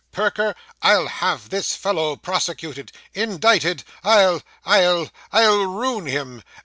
Perker, I'll have this fellow prosecuted indicted I'll I'll I'll ruin him.